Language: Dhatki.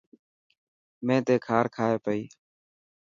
مين تي کار کائي پئي.